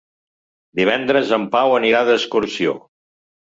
Divendres en Pau anirà d'excursió.